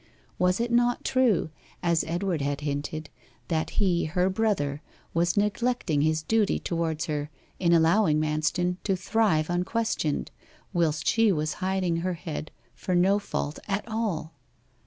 Was it not true, as Edward had hinted, that he, her brother, was neglecting his duty towards her in allowing Manston to thrive unquestioned, whilst she was hiding her head for no fault at all?